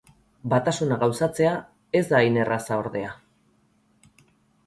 Batasuna gauzatzea ez da hain erraza, ordea.